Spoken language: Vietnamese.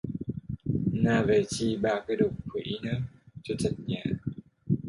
Na về chi ba cái đổ quỷ nớ cho chật nhà